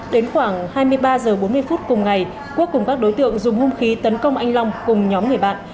đến khoảng hai mươi ba h bốn mươi phút cùng ngày quốc cùng các đối tượng dùng hung khí tấn công anh long cùng nhóm người bạn